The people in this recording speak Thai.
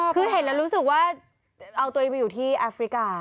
คือเห็นแล้วรู้สึกว่าเอาตัวเองไปอยู่ที่แอฟริกา